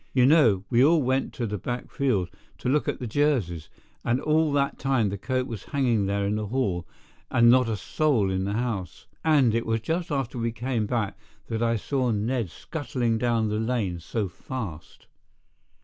You know, we all went to the back field to look at the Jerseys, and all that time the coat was hanging there in the hall, and not a soul in the house. And it was just after we came back that I saw Ned scuttling down the lane so fast."